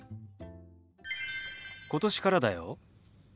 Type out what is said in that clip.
今年からだよ。